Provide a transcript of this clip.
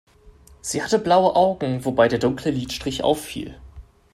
Sie hatte blaue Augen, wobei der dunkle Lidstrich auffiel.